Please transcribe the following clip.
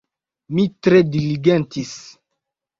Mi tre diligentis.